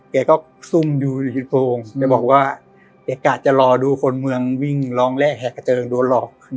แกก็ซุ่มดูจริงบอกว่าแกกล้าจะรอดูคนเมืองวิ่งรองแรกแฮกเจิงโดนหลอก